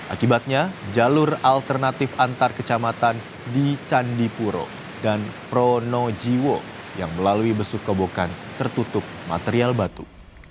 akibatnya jalur alternatif antar kecamatan di candipuro dan pronojiwo yang melalui besuk kobokan tertutup material batu